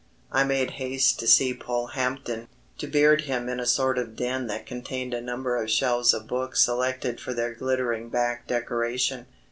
I made haste to see Polehampton, to beard him in a sort of den that contained a number of shelves of books selected for their glittering back decoration.